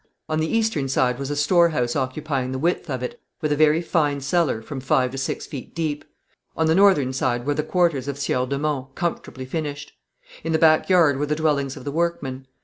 On the eastern side was a storehouse occupying the width of it, with a very fine cellar, from five to six feet deep. On the northern side were the quarters of Sieur de Monts, comfortably finished. In the backyard were the dwellings of the workmen.